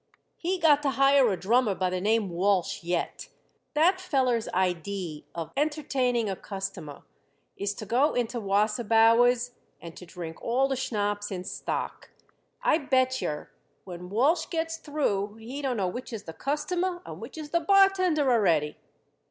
"He got to hire a drummer by the name Walsh yet. That feller's idee of entertaining a customer is to go into Wasserbauer's and to drink all the schnapps in stock. I bet yer when Walsh gets through, he don't know which is the customer and which is the bartender already."